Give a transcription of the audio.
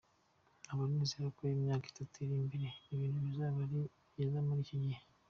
Nkaba nizera ko imyaka itatu iri imbere ibintu bizaba ari byiza muri icyo gihe.